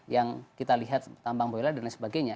yang kita lihat tambang bola dan lain sebagainya